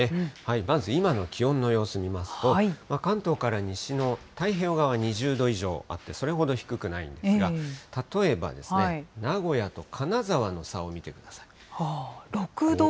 まず今の気温の様子見ますと、関東から西の太平洋側２０度以上あって、それほど低くないんですが、例えばですね、名古屋と金沢の差を見てください。